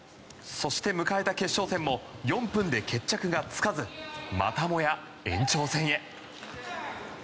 そして迎えた決勝戦も４分で決着がつかずまたもや延長戦へ。